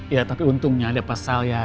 ya tapi untungnya ada pasal ya